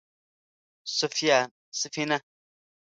_سفينه؟